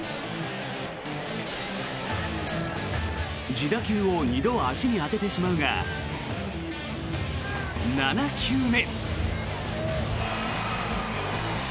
自打球を２度足に当ててしまうが７球目。